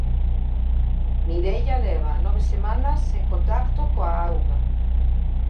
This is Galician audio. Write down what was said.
Mireia leva nove semanas sen contacto coa auga.